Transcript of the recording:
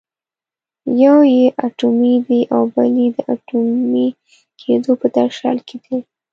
یو یې اټومي دی او بل یې د اټومي کېدو په درشل کې دی.